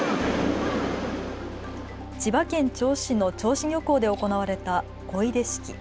千葉県銚子市の銚子漁港で行われた漕出式。